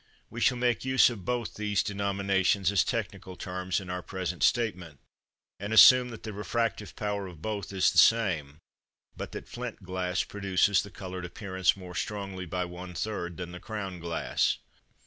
We shall make use of both these denominations as technical terms in our present statement, and assume that the refractive power of both is the same, but that flint glass produces the coloured appearance more strongly by one third than the crown glass.